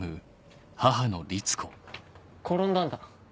転んだんだ。